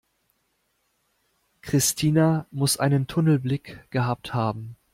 Christina muss einen Tunnelblick gehabt haben.